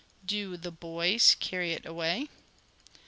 " Do the boys carry it away ?